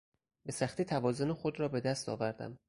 به سختی توازن خود را به دست آوردم.